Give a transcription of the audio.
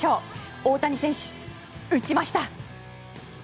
大谷選手、打ちました。